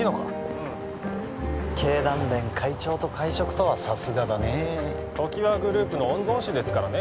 うん経団連会長と会食とはさすがだね常盤グループの御曹司ですからね